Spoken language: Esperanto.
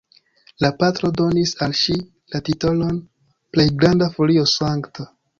La patro donis al ŝi la titolon "Plejgranda Folio Sankta".